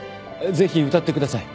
ぜひ歌ってください。